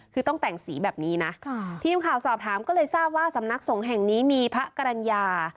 คือต้องแต่งสีแบบนี้นะทีมข่าวสอบถามก็เลยทราบว่าสำนักสงฆ์แห่งนี้มีพระกรรณญา